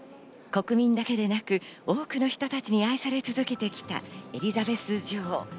国民だけでなく多くの人たちに愛され続けてきたエリザベス女王。